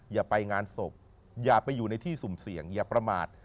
อย่าไปงานศพอย่าไปอยู่ในที่สุ่มเสี่ยงอย่าประมาท